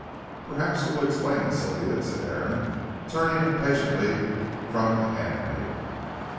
"Perhaps you will explain, Sylvia," said Aaron, turning impatiently from the handmaiden.